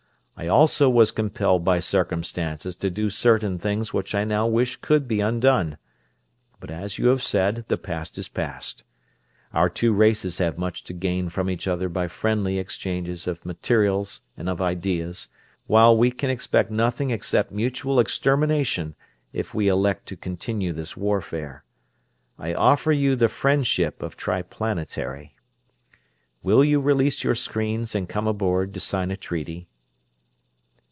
I also was compelled by circumstances to do certain things which I now wish could be undone; but as you have said, the past is past. Our two races have much to gain from each other by friendly exchanges of materials and of ideas, while we can expect nothing except mutual extermination, if we elect to continue this warfare. I offer you the friendship of Triplanetary. Will you release your screens and come aboard to sign a treaty?"